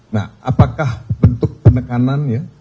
nah apakah bentuk penekanan ya